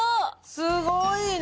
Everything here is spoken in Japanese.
すごいな。